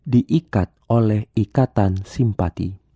diikat oleh ikatan simpati